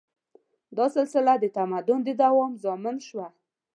دا سلسله د تمدن د دوام ضامن شوه.